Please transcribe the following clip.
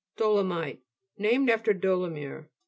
DO'LOMITE Named after Dolomieu.